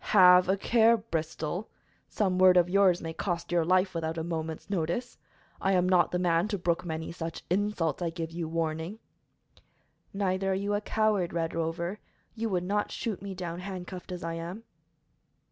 "Have a care, Bristol! Some word of yours may cost your life without a moment's notice. I am not the man to brook many such insults. I give you warning." "Neither are you a coward, Red Rover. You would not shoot me down handcuffed as I am."